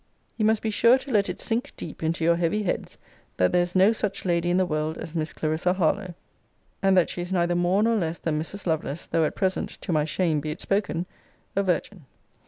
Ye must be sure to let it sink deep into your heavy heads, that there is no such lady in the world as Miss Clarissa Harlowe; and that she is neither more nor less than Mrs. Lovelace, though at present, to my shame be it spoken, a virgin.